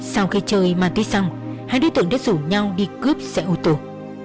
sau khi chơi ma túy xong hai đứa tượng đã rủ nhau đi cướp xe ô tô